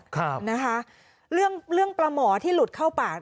ครับนะคะเรื่องเรื่องปลาหมอที่หลุดเข้าปาก